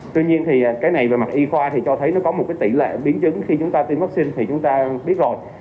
tại vậy cái này thì về mặt y khoa cho thấy là nó có một tỉ lệ biến chứng khi chúng ta tiêm vaccine thì chúng ta biết rồi